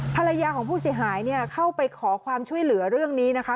ภรรยาของผู้เสียหายเนี่ยเข้าไปขอความช่วยเหลือเรื่องนี้นะคะ